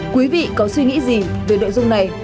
quý vị có suy nghĩ gì về nội dung này